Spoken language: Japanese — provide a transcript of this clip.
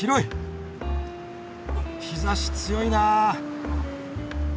日ざし強いなあ。